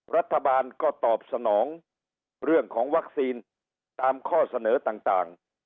รัฐบาลก็ตอบสนองเรื่องของวัคซีนตามข้อเสนอต่าง